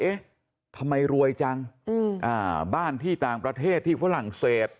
เอ๊ะทำไมรวยจังบ้านที่ต่างประเทศที่ฝรั่งเศส